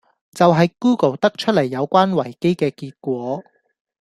就係 Google 得出黎有關維基既結果